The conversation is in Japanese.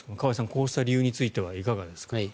こうした理由についてはいかがですか。